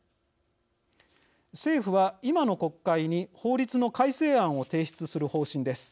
政府は今の国会に法律の改正案を提出する方針です。